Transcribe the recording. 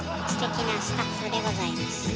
ステキなスタッフでございます。